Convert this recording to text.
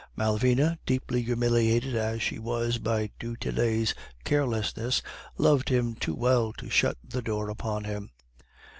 Malvina, deeply humiliated as she was by du Tillet's carelessness, loved him too well to shut the door upon him.